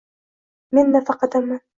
Men nafaqadaman.